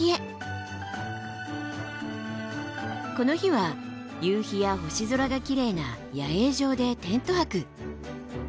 この日は夕日や星空がきれいな野営場でテント泊。